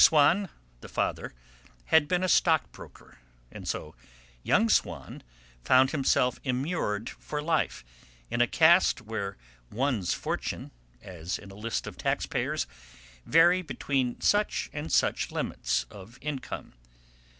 Swann, the father, had been a stockbroker; and so 'young Swann' found himself immured for life in a caste where one's fortune, as in a list of taxpayers, varied between such and such limits of income.